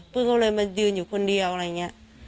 ก็เลยมายืนอยู่คนเดียวอะไรอย่างนี้